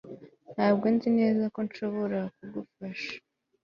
ntabwo nzi neza ko nshobora kugufasha